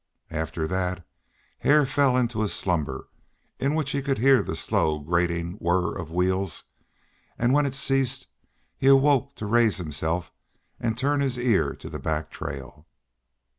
After that Hare fell into a slumber in which he could hear the slow grating whirr of wheels, and when it ceased he awoke to raise himself and turn his ear to the back trail.